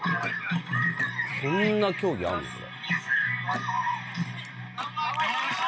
そんな競技あるんすか？